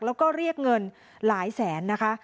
แล้วก็เรียกเงินหลายแสนนะคะ